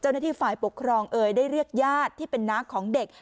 เจ้าหน้าที่ฝ่ายปกครองเอ่ยได้เรียกญาติที่เป็นน้าของเด็ก